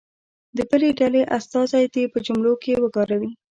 د بلې ډلې استازی دې په جملو کې وکاروي.